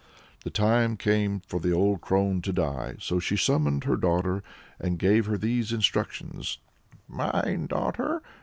The time came for the old crone to die, so she summoned her daughter and gave her these instructions: "Mind, daughter!